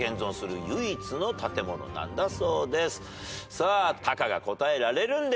さあタカが答えられるんでしょうか。